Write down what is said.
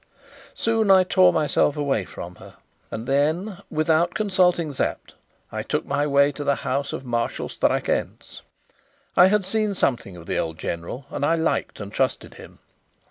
Soon I tore myself away from her, and then, without consulting Sapt, I took my way to the house of Marshal Strakencz. I had seen something of the old general, and I liked and trusted him.